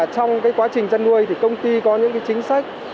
trong quá trình chăn nuôi thì công ty có những chính sách